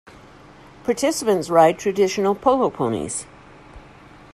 Participants ride traditional polo ponies.